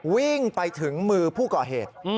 วิ่งไปถึงมือผู้ก่อเหตุ